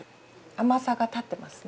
甘さが立ってますね。